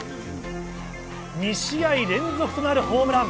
２試合連続となるホームラン。